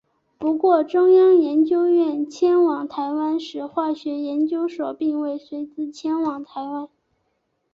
不过中央研究院迁往台湾时化学研究所并未随之迁往台湾。